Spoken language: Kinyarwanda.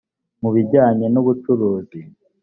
mu bijyanye n ubucuruzi